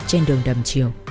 trên đường đầm chiều